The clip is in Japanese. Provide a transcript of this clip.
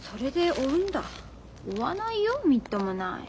追わないよみっともない。